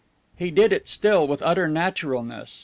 He did it still with utter naturalness.